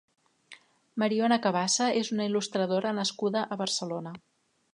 Mariona Cabassa és una il·lustradora nascuda a Barcelona.